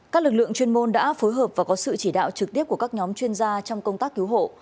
các lực lượng chuyên môn đã phối hợp và có sự chỉ đạo trực tiếp của các nhóm chuyên gia trong công tác cứu hộ